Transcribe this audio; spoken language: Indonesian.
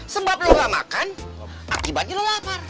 sebab lu gak makan akibatnya lo lapar